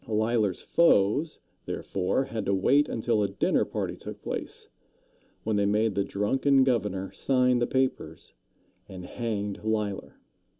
Leisler's foes, therefore, had to wait until a dinner party took place, when they made the drunken governor sign the papers, and hanged Leisler.